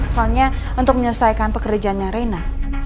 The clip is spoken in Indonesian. soalnya untuk menyelesaikan pekerjaannya reina